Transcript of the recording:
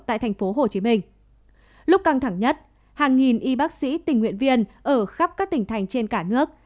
tại tp hcm lúc căng thẳng nhất hàng nghìn y bác sĩ tình nguyện viên ở khắp các tỉnh thành trên cả nước